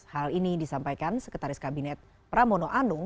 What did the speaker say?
hal ini disampaikan sekretaris kabinet pramono anung